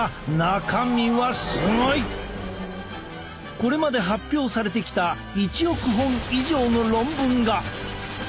これまで発表されてきた１億本以上の論文が。